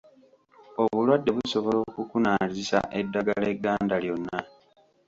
Obulwadde busobola okukunaazisa eddagala egganda lyonna.